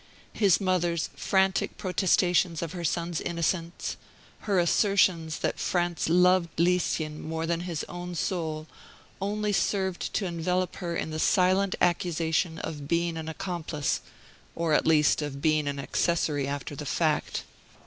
His mother's frantic protestations of her son's innocence her assertions that Franz loved Lieschen more than his own soul only served to envelop her in the silent accusation of being an accomplice, or at least of being an accessory after the fact.